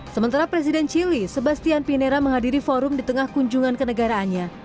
sementara presiden chile sebastian pinera menghadiri forum di tengah kunjungan kenegaraannya